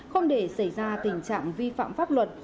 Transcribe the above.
không để xảy ra tình trạng vi phạm pháp luật